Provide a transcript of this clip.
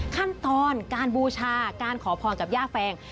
ขั้นตอนการบูชาการขอพรกับย่าแฟง